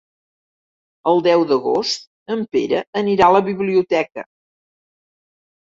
El deu d'agost en Pere anirà a la biblioteca.